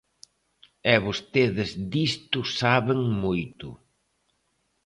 ¡E vostedes disto saben moito!